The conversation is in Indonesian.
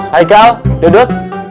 hai aikal duduk